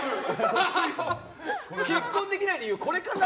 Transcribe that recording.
結婚できない理由これかな？